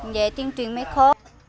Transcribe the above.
vậy tình trạng mới khó